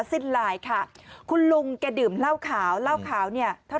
สิบลายค่ะคุณลุงแกดื่มเล่าเขาเล่าเขาเนี่ยทัก